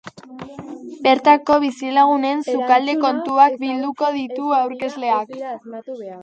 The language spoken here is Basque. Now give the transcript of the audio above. Bertako bizilagunen sukalde kontuak bilduko ditu aurkezleak.